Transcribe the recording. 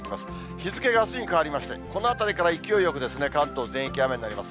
日付があすに変わりまして、このあたりから勢いよく関東全域、雨になります。